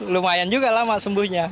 lumayan juga lah mas sembuhnya